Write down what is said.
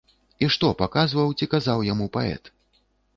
І што паказваў ці казаў яму паэт?